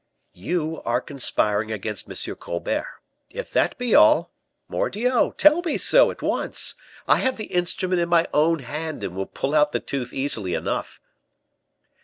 "You are conspiring against M. Colbert. If that be all, mordioux, tell me so at once. I have the instrument in my own hand, and will pull out the tooth easily enough."